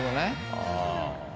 ああ。